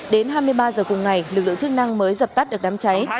đến hai mươi ba h cùng ngày lực lượng chức năng mới dập tắt được đám cháy